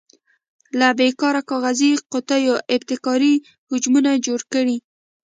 له بې کاره کاغذي قطیو ابتکاري حجمونه جوړ کړئ.